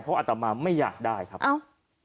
เพราะอัตมาไม่อยากได้ครับเอ้า